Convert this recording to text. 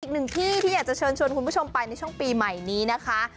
อีกหนึ่งที่ที่อยากจะเชิญชวนคุณผู้ชมไปในช่วงปีใหม่นี้นะคะ